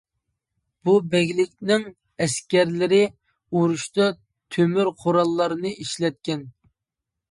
بۇ بەگلىكنىڭ ئەسكەرلىرى ئۇرۇشتا تۆمۈر قوراللارنى ئىشلەتكەن.